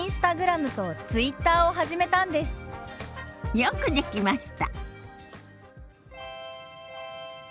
よくできました。